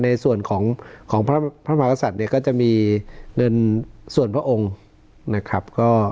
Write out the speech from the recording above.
ในส่วนของพระมหากษัตริย์เนี่ยก็จะมีเงินส่วนพระองค์นะครับ